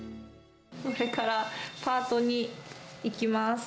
これからパートに行きます。